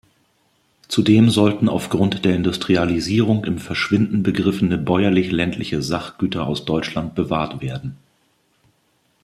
Zudem sollten aufgrund der Industrialisierung im Verschwinden begriffene bäuerlich-ländliche Sachgüter aus Deutschland bewahrt werden.